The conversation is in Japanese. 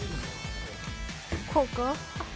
こうか。